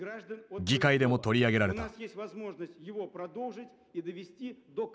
議会でも取り上げられた。